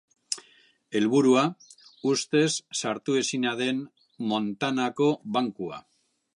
Helburua: ustez sartuezina den Montanako Bankua.